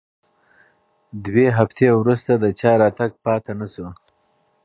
دوه هفتې وروسته د چا راتګ پاتې نه شو.